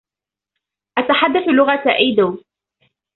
أتحدث لغة إيدو.